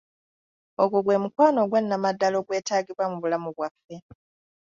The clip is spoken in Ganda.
Ogwo gwe mukwano ogwa Nnamaddala ogwetaagibwa mu bulamu bwaffe.